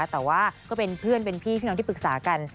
แต่ว่าก็เป็นเพื่อนเป็นพี่พี่น้องที่ปรึกษากัน